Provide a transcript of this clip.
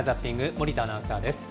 森田アナウンサーです。